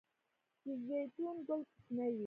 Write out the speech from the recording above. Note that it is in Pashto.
د زیتون ګل کوچنی وي؟